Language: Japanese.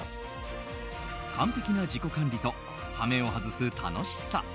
完璧な自己管理と羽目を外す楽しさ。